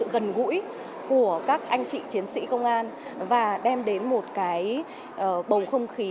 gần gũi của các anh chị chiến sĩ công an và đem đến một cái bầu không khí